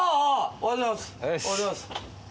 おはようございます。